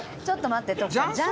ちょっと待って徳さん。